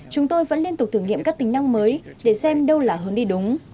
chúng tôi vẫn liên tục thử nghiệm các tính năng mới để xem đâu là hướng đi đúng